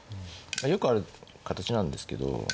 よくある形なんですけど。